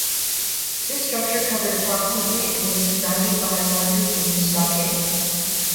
This structure covered approximately and was surrounded by a larger wooden stockade.